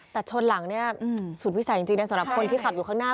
แต่ชนหลังเนี่ยสุดวิสัยจริงนะสำหรับคนที่ขับอยู่ข้างหน้า